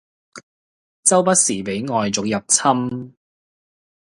周不時俾外族入侵